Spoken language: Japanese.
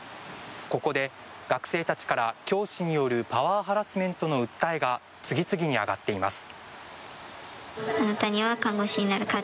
ここで学生たちから教師によるパワーハラスメントの訴えが次々に上がっています。